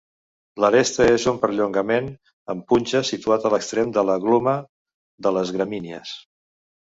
L'aresta és un perllongament en punxa situat a l'extrem de la gluma de les gramínies.